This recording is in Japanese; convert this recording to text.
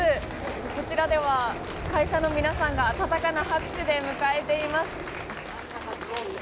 こちらでは会社の皆さんが温かな拍手で迎えています。